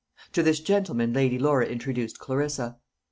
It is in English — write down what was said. To this gentleman Lady Laura introduced Clarissa.